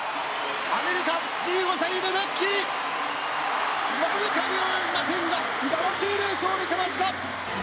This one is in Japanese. アメリカ、１５歳のレデッキーわずかに及びませんが素晴らしいレースを見せました！